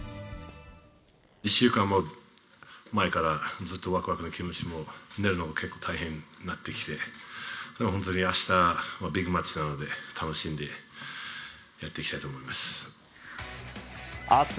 １週間前からずっとわくわくの気持ちで、寝るのも結構大変になってきて、でも本当にあした、ビッグマッチなので、楽しんでやっていきたいと思います。